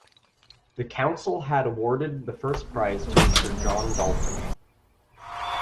The Council had awarded the first prize to Mr. John Dalton.